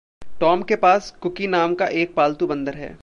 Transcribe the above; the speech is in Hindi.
टॉम के पास "कुकी" नाम का एक पालतू बंदर है।